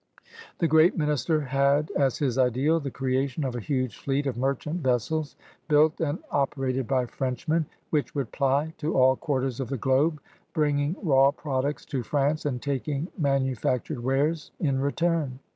The great minister had as his ideal the creation of a huge fleet of merchant vessels, built and operated by Frenchmen, which would ply to all quarters of the globe, bringing raw products to France and taking manufactured wares in return.